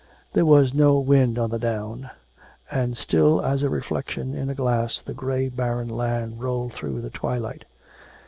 There was no wind on the down. And still as a reflection in a glass the grey barren land rolled through the twilight.